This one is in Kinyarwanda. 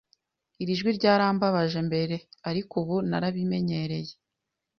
Iri jwi ryarambabaje mbere, ariko ubu narabimenyereye.